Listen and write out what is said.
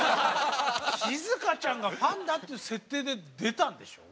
しずかちゃんがファンだっていう設定で出たんでしょ？